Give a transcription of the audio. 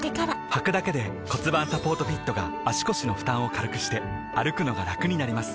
はくだけで骨盤サポートフィットが腰の負担を軽くして歩くのがラクになります